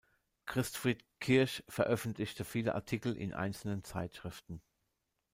Christfried Kirch veröffentlichte viele Artikel in einzelnen Zeitschriften.